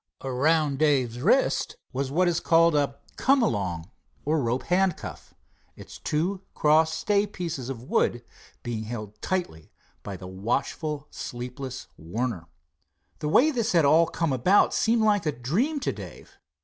Around Dave's wrist was what is called a "come along," or rope handcuff, its two crossed stay pieces of wood being held tightly by the watchful, sleepless Warner. The way this had all come about seemed like a dream to Dave.